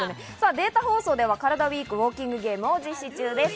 データ放送ではカラダＷＥＥＫウオーキングゲームを実施中です。